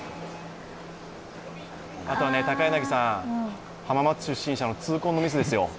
あとはね、高柳さん、浜松出身者の痛恨のミスですよ。